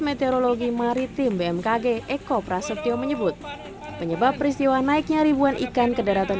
meteorologi maritim bmkg eko prasetyo menyebut penyebab peristiwa naiknya ribuan ikan ke daratan